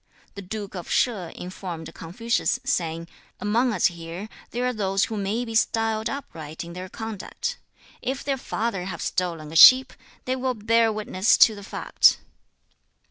The Duke of Sheh informed Confucius, saying, 'Among us here there are those who may be styled upright in their conduct. If their father have stolen a sheep, they will bear witness to the fact.'